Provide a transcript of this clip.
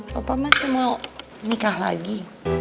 papa masih mau nikah lagi